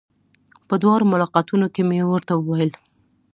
په دواړو ملاقاتونو کې مې ورته وويل.